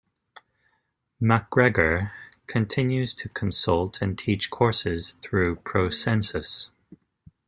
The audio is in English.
MacGregor continues to consult and teach courses through ProSensus.